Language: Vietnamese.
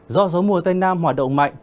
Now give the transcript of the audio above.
do gió mùa tây nam hoạt động mạnh